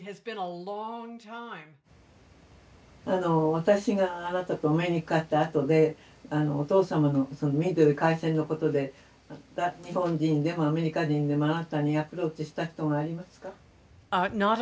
私があなたとお目にかかったあとでお父様のそのミッドウェー海戦のことで日本人でもアメリカ人でもあなたにアプローチした人がありますか？